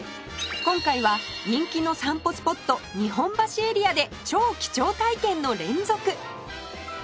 今回は人気の散歩スポット日本橋エリアで超貴重体験の連続